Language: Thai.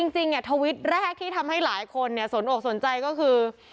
จริงทวิตแรกที่ทำให้หลายคนสนอกสนใจก็คือ